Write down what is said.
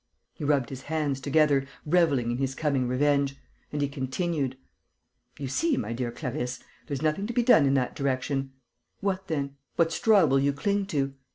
He rubbed his hands together, revelling in his coming revenge. And he continued: "You see, my dear Clarisse ... there's nothing to be done in that direction. What then? What straw will you cling to?